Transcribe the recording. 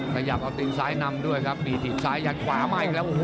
ขยับเปิดติดซ้ายนำนึกซ้ายหยัดก็เป็นขวาใหม่อีกแล้ว